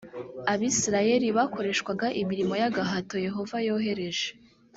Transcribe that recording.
abisirayeli bakoreshwaga imirimo y agahato yehova yohereje